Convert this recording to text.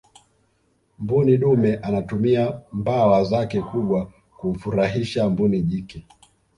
mbuni dume anatumia mbawa zake kubwa kumfurahisha mbuni jike